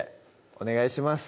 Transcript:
お願いします